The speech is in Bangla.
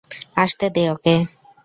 আসতে দে ওকে।